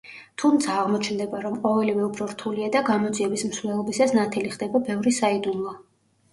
თუმცა, აღმოჩნდება, რომ ყოველივე უფრო რთულია და გამოძიების მსვლელობისას ნათელი ხდება ბევრი საიდუმლო.